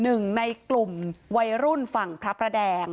หนึ่งในกลุ่มวัยรุ่นฝั่งพระประแดง